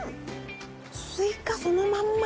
スイカそのまんま！